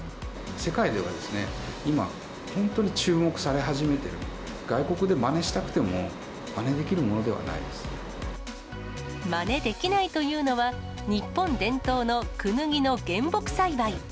世界では、今、本当に注目され始めている、外国でまねしたくても、まねできまねできないというのは、日本伝統のくぬぎの原木栽培。